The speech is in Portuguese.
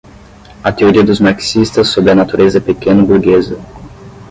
a teoria dos marxistas sobre a natureza pequeno-burguesa